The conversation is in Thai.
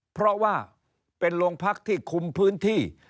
เพราะว่าเป็นโรงพักที่คุมพื้นที่